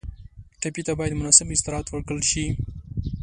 ټپي ته باید مناسب استراحت ورکړل شي.